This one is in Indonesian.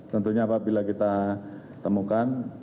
tentunya apabila kita temukan